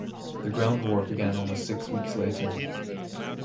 The ground war began almost six weeks later.